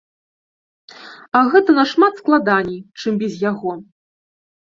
А гэта нашмат складаней, чым без яго.